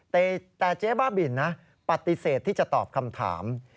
แต่เจ๊บ้าบินนะปฏิเสธที่จะตอบคำถาม